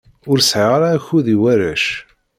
Ur sɛiɣ ara akud i warrac.